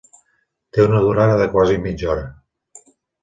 Té una durada de quasi mitja hora.